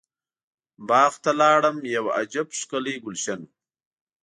باغ ته لاړم یو عجب ښکلی ګلشن و.